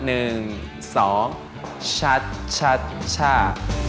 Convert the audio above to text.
หนึ่งสองชัดชัดชา